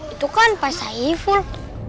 itu kan pak saiful